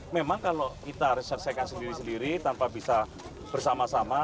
memang kalau kita harus selesaikan sendiri sendiri tanpa bisa bersama sama